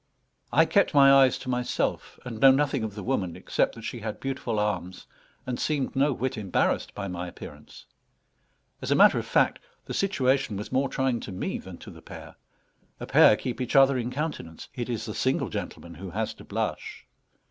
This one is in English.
I kept my eyes to myself, and know nothing of the woman except that she had beautiful arms, and seemed no whit embarrassed by my appearance. As a matter of fact, the situation was more trying to me than to the pair. A pair keep each other in countenance; it is the single gentleman who has to blush.